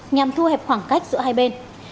nhằm thu hẹp khoảng cách giữa hai bên